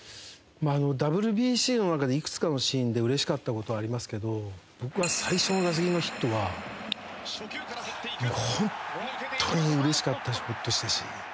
ＷＢＣの中でいくつかのシーンでうれしかった事はありますけど僕は最初の打席のヒットは本当にうれしかったしほっとしたし。